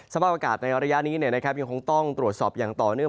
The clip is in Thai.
สภาพอากาศในระยะนี้ยังคงต้องตรวจสอบอย่างต่อเนื่อง